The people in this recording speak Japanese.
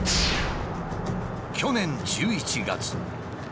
去年１１月。